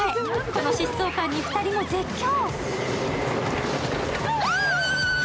この疾走感に２人も絶叫。